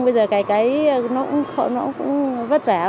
bây giờ cày cấy nó cũng vất vả